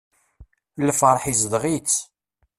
Lferḥ izdeɣ-itt.